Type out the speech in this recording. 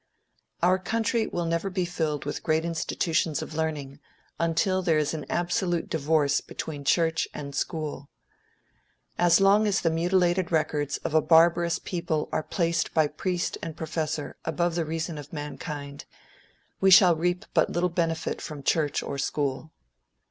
Our country will never be filled with great institutions of learning until there is an absolute divorce between Church and School. As long as the mutilated records of a barbarous people are placed by priest and professor above the reason of mankind, we shall reap but little benefit from church or school.